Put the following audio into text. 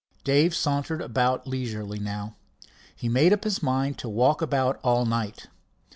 Dave sauntered about leisurely now. He made up his mind to walk about all night.